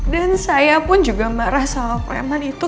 dan saya pun juga marah sama preman itu